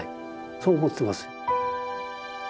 そう思ってます。